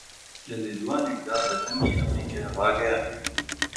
لە لێدوانێکدا بە دەنگی ئەمەریکای ڕاگەیاند